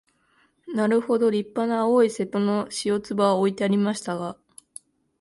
なるほど立派な青い瀬戸の塩壺は置いてありましたが、